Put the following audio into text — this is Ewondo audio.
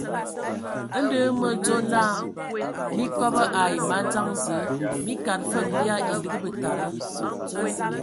Ndɔ hm me adzo naa mii kobo ai madzaŋ Zǝə, mii kad fǝg bia elig betada.